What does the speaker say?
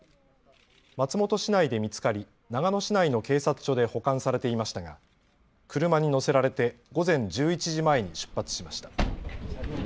松本市内で見つかり長野市内の警察署で保管されていましたが車に乗せられて午前１１時前に出発しました。